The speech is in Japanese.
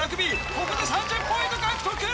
ここで３０ポイント獲得。